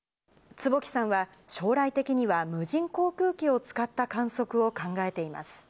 坪木さんは、将来的には無人航空機を使った観測を考えています。